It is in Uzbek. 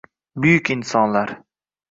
Buyuk insonlar.